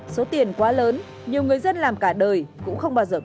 số tiền quá lớn nhiều người dân làm cả đời cũng không bao giờ quê